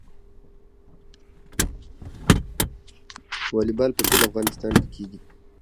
والیبال په ټول افغانستان کې کیږي.